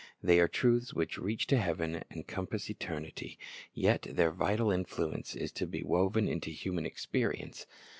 They are truths which reach to heaven and compass eternity, yet their vital influence is to be woven into human experience.